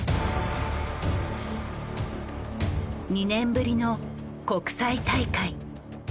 ２年ぶりの国際大会。